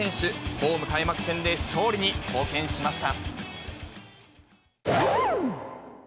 ホーム開幕戦で勝利に貢献しました。